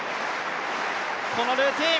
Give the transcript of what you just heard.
このルーティーン。